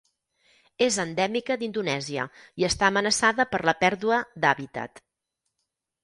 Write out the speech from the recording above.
És endèmica d'Indonèsia i està amenaçada per la pèrdua d'hàbitat.